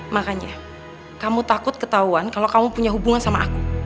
makanya kamu takut ketahuan kalau kamu punya hubungan sama aku